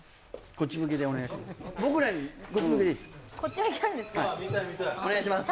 こっち向きなんですかお願いします